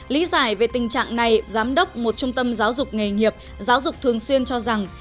lý giải về tình trạng này giám đốc một trung tâm giáo dục nghề nghiệp giáo dục thường xuyên cho rằng